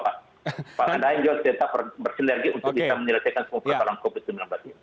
pak daeng juga tetap bersinergi untuk kita menyelesaikan semua pertolongan covid sembilan belas ini